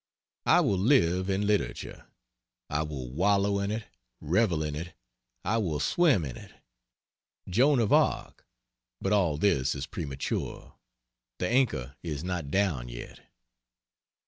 I will live in literature, I will wallow in it, revel in it, I will swim in ink! Joan of Arc but all this is premature; the anchor is not down yet.